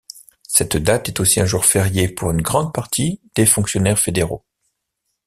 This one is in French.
Cette date est aussi un jour férié pour une grande partie des fonctionnaires fédéraux.